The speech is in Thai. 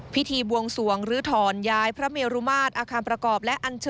พิธีบวงสวงลื้อถอนย้ายพระเมรุมาตรอาคารประกอบและอัญเชิญ